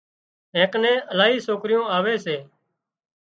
اين ڪنين الاهي سوڪريون آوي سي